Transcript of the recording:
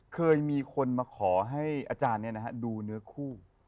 เคยมีคนมาขอให้อาจารย์ดูเนื้อคู่